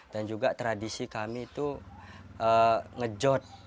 dan juga tradisi kami itu ngejot